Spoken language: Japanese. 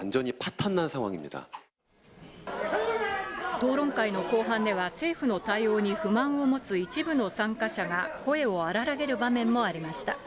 討論会の後半では、政府の対応に不満を持つ一部の参加者が声を荒らげる場面もありました。